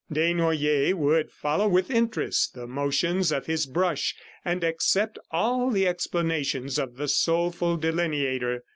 Desnoyers would follow with interest the motions of his brush and accept all the explanations of the soulful delineator.